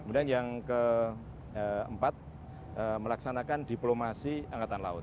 kemudian yang keempat melaksanakan diplomasi angkatan laut